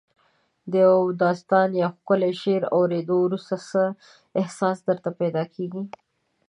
د یو داستان یا ښکلي شعر اوریدو وروسته څه احساس درته پیدا کیږي؟